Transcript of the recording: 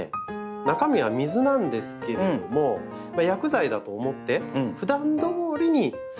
中身は水なんですけれども薬剤だと思ってふだんどおりに散布していただきたいんですよ。